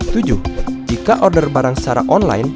jika order barang secara online